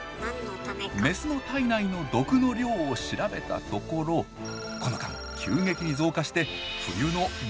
メスの体内の毒の量を調べたところこの間急激に増加して冬の１５倍に！